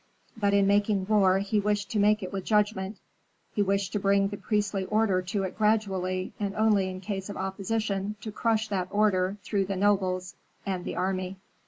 But in making war he wished to make it with judgment. He wished to bring the priestly order to it gradually, and only in case of opposition to crush that order through the nobles and the army.